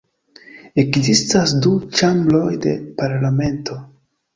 Ekzistas du ĉambroj de parlamento.